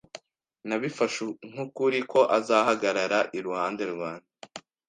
Nabifashe nk'ukuri ko azahagarara iruhande rwanjye.